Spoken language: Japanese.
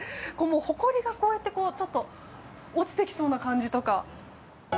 ほこりがこうやってちょっと落ちてきそうな感じとか。